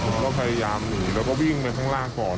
เราก็พยายามหนีแล้วก็วิ่งไปข้างล่างก่อน